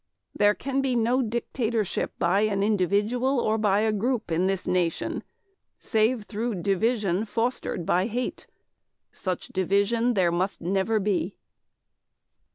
There can be no dictatorship by an individual or by a group in this Nation, save through division fostered by hate. Such division there must never be."